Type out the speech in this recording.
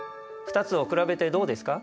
２つを比べてどうですか？